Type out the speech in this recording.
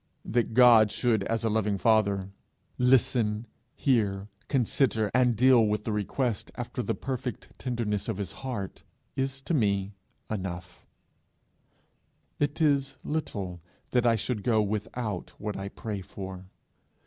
That God should as a loving father listen, hear, consider, and deal with the request after the perfect tenderness of his heart, is to me enough; it is little that I should go without what I pray for.